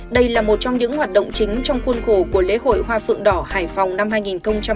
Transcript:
đây là một trong những hoạt động chính trong khuôn khổ của lễ hội hoa phượng đỏ hải phòng năm hai nghìn hai mươi